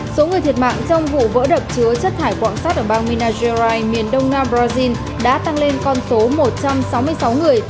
số người thiệt mạng trong vụ vỡ đập chứa chất thải quạng sắt ở bang minazerai miền đông nga brazil đã tăng lên con số một trăm sáu mươi sáu người